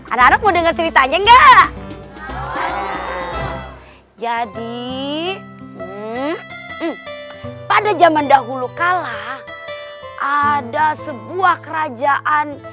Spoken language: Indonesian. anak anak mau dengar ceritanya enggak jadi pada zaman dahulu kalah ada sebuah kerajaan